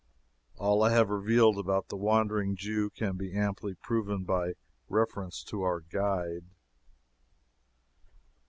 All I have revealed about the Wandering Jew can be amply proven by reference to our guide.